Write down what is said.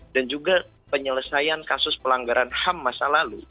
dan juga penyelesaian kasus pelanggaran ham masa lalu